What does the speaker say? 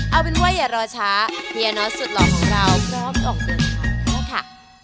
เอาเป็นว่าอย่ารอช้าเฮียน้อยสุดหล่อของเราพร้อมออกเดินทางเข้าค่ะ